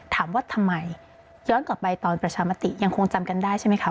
ถามว่าทำไมย้อนกลับไปตอนประชามติยังคงจำกันได้ใช่ไหมคะ